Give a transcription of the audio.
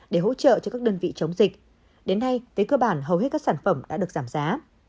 để hỗ trợ cho các đơn vị chống dịch đến nay với cơ bản hầu hết các sản phẩm đã được giảm giá